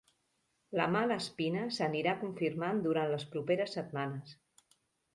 La mala espina s'anirà confirmant durant les properes setmanes.